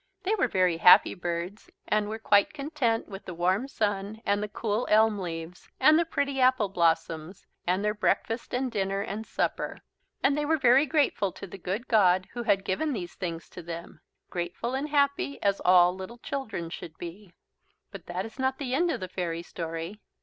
They were very happy birds and were quite content with the warm sun and the cool elm leaves and the pretty apple blossoms and their breakfast and dinner and supper. And they were very grateful to the good God who had given these things to them, grateful and happy as all little children should be. But that is not the end of the fairy story.